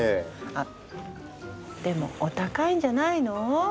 あでもお高いんじゃないの？